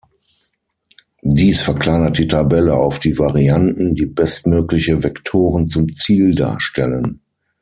Dies verkleinert die Tabelle auf die Varianten, die bestmögliche Vektoren zum Ziel darstellen.